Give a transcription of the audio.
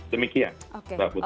demikian mbak putri